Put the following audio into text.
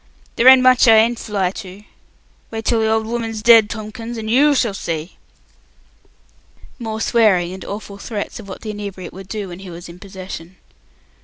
There ain't much I ain't fly to. Wait till the old woman's dead, Tomkins, and you shall see!" More swearing, and awful threats of what the inebriate would do when he was in possession.